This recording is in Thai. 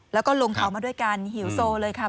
แล้วก็ลงเขามาด้วยกันหิวโซเลยค่ะ